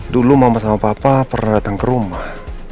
dulu mama sama papa pernah datang ke rumah